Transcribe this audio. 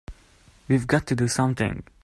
We've got to do something!